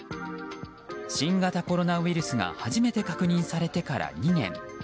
新型コロナウイルスが初めて確認されてから２年。